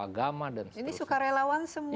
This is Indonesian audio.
agama dan seterusnya ini sukarelawan semua